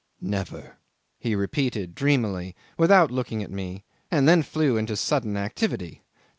"Never," he repeated dreamily without looking at me, and then flew into sudden activity.